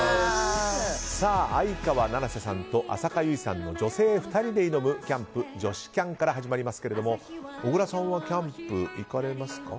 相川七瀬さんと浅香唯さんの女性２人で挑むキャンプ女子キャン！から始まりますけれども小倉さんはキャンプ行かれますか。